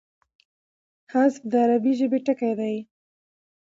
حذف د عربي ژبي ټکی دﺉ.